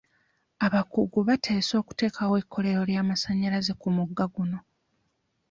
Abakugu baateesa okuteekawo ekkolero ly'amasanyalaze ku mugga guno.